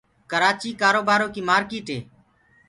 ڪرآچيٚ ڪآروبآرو ڪيٚ مآرڪيٚٽ هي